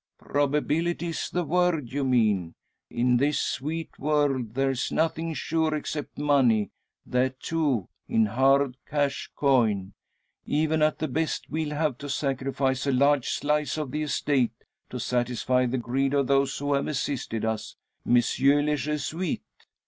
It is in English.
"Probability is the word you mean. In this sweet world there's nothing sure except money that, too, in hard cash coin. Even at the best we'll have to sacrifice a large slice of the estate to satisfy the greed of those who have assisted us Messieurs les Jesuites.